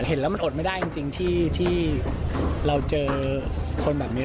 เห็นแล้วมันอดไม่ได้จริงที่เราเจอคนแบบนี้